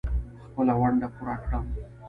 خپله ونډه پوره کړم.